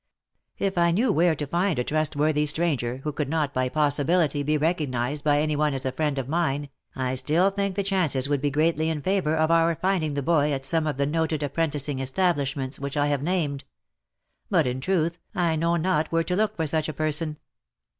If 1 knew where to find a trust worthy stranger, who could not by possibility be recognised by any one as a friend of mine, I still think the chances would be greatly in favour of our finding the boy at some of the noted apprenticing establish ments which I have named. But, in truth, I know not where to look for such a person."